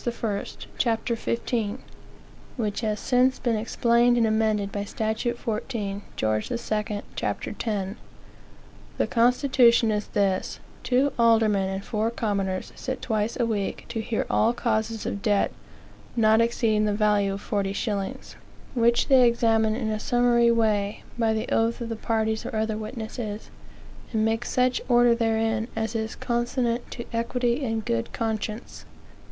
I., ch. 15, which has since been explained and amended by statute 14 Geo. II., ch. 10. The constitution is this: two aldermen and four commoners sit twice a week to hear all causes of debt not exceeding the value of forty shillings; which they examine in a summary way, by the oath of the parties or other witnesses, and make such order therein as is consonant to equity and good conscience.